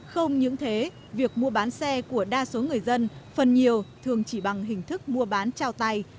không những thế việc mua bán xe của đa số người dân phần nhiều thường chỉ bằng hình thức mua bán trao tay